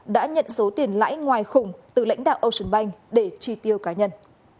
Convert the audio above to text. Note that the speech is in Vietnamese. đã nhận số tiền lãi ngoài khủng từ lãnh đạo ocean bank để tri tiêu cá nhân